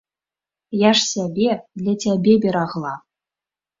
Я ж сябе для цябе берагла.